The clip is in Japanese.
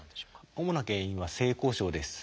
主な原因は性交渉です。